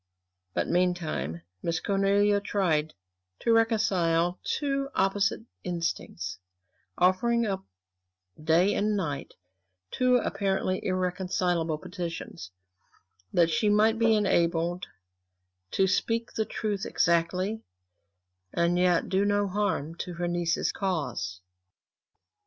But meanwhile Miss Cornelia tried to reconcile two opposite instincts; offering up day and night two apparently irreconcilable petitions; that she might be enabled to speak the truth exactly, and yet do no harm to her niece's cause.